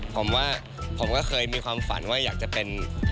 ผมว่าผมก็เคยมีความฝันว่าอยากจะเป็น